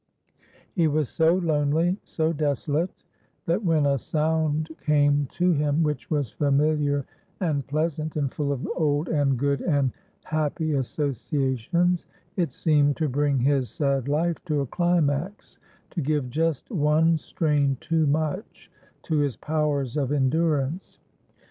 He was so lonely, so desolate, that when a sound came to him which was familiar and pleasant, and full of old and good and happy associations, it seemed to bring his sad life to a climax, to give just one strain too much to his powers of endurance.